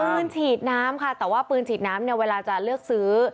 ปืนฉีดน้ำค่ะแต่ว่าปืนฉีดน้ำเนี่ยเวลาจะเลือกซื้อ